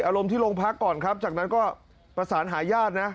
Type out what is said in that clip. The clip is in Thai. อารมณ์ที่โรงพักก่อนครับจากนั้นก็ประสานหาญาตินะ